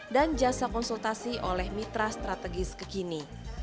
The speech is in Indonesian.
dan jasa konsultasi oleh mitra strategis kekini